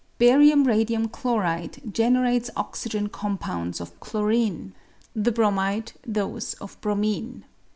Barium radium chloride generates oxygen compounds of chlorine ; the bromide those of bromine.